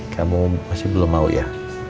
kamu masih belum mau ya